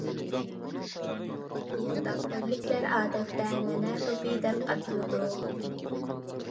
مۇنداق بىرلىكلەر ئادەتتە مەنە توپى دەپ ئاتىلىدۇ.